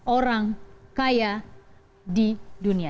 orang kaya di dunia